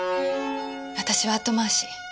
私は後回し。